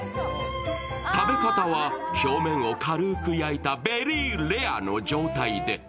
食べ方は、表面を軽く焼いたベリーレアの状態で。